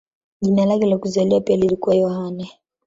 Jina lake la kuzaliwa pia lilikuwa Yohane.